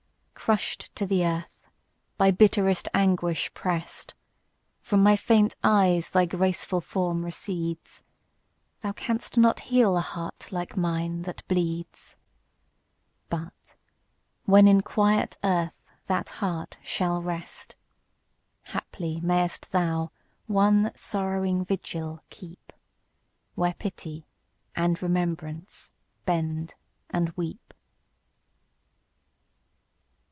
Crush'd to the earth, by bitterest anguish press'd, From my faint eyes thy graceful form recedes; Thou canst not heal a heart like mine that bleeds; But, when in quiet earth that heart shall rest, Haply mayst thou one sorrowing vigil keep, Where Pity and Remembrance bend and weep!